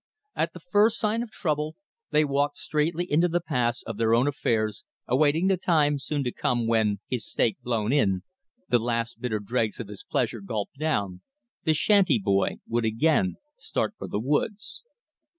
At the first sign of trouble they walked straightly in the paths of their own affairs, awaiting the time soon to come when, his stake "blown in," the last bitter dregs of his pleasure gulped down, the shanty boy would again start for the woods.